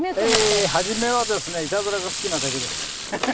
初めはですねいたずらが好きなだけです。